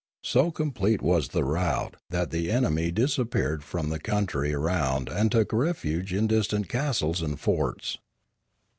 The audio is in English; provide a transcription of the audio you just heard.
So com plete was the rout, that the enemy disappeared from the country around and took refuge in distant castles and forts.